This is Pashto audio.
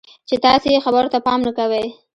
چې تاسې یې خبرو ته پام نه کوئ.